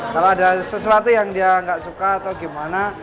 kalau ada sesuatu yang dia nggak suka atau gimana